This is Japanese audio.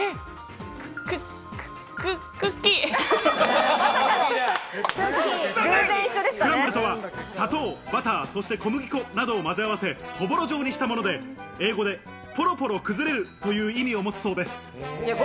クランブルとは砂糖、バター、そして小麦粉などをまぜ合わせ、そぼろ状にしたもので、英語でポロポロ崩れるという意味を持つそうです。